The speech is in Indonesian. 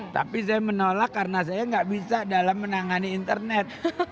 tapi saya menolak karena saya nggak bisa dalam menangani internet